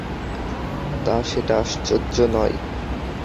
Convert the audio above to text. তা, সেটা আশ্চর্য নয়।